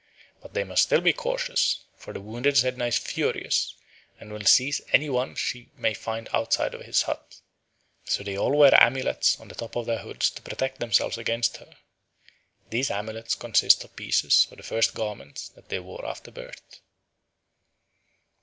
But they must still be cautious, for the wounded Sedna is furious and will seize any one she may find outside of his hut; so they all wear amulets on the top of their hoods to protect themselves against her. These amulets consist of pieces of the first garments that they wore after birth.